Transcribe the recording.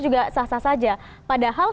juga sah sah saja padahal